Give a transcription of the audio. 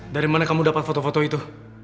dari mana kamu dapat foto foto itu